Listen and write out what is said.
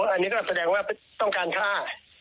อันนี้ก็แสดงว่าต้องการฆ่า